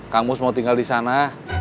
kang mus mau tinggal disana